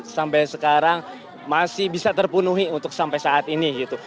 sampai sekarang masih bisa terpenuhi untuk sampai saat ini